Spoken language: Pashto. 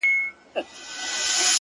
• خوشحال په دې دى چي دا ستا خاوند دی ـ